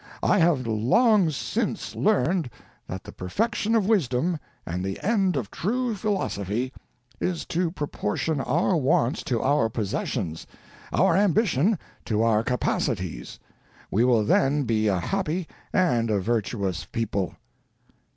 I have long since learned that the perfection of wisdom, and the end of true philosophy, is to proportion our wants to our possessions, our ambition to our capacities; we will then be a happy and a virtuous people."